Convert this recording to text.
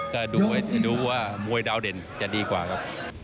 ถ้าดูว่ามวยดาวเด่นจะดีกว่าครับ